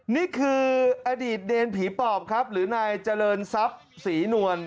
นี่คืออดีตเนรผีปอบครับหรือนายเจริญทรัพย์ศรีนวล